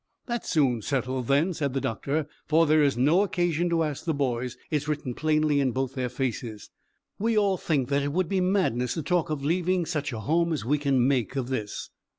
"That's soon settled, then," said the doctor, "for there is no occasion to ask the boys it's written plainly in both their faces. We all think that it would be madness to talk of leaving such a home as we can make of this."